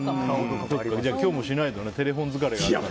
今日もしないとねテレホン疲れがあるから。